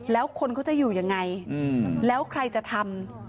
แล้วคนเขาจะอยู่ยังไงแล้วใครจะทำ